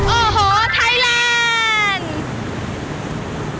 โอ้โหไทยแลนด์